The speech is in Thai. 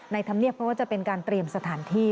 ธรรมเนียบเพราะว่าจะเป็นการเตรียมสถานที่